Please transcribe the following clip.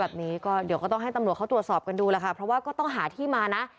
แบบนี้ก็เดี๋ยวก็ต้องให้ตำรวจเขาตรวจสอบกันดูแล้วค่ะเพราะว่าก็ต้องหาที่มานะ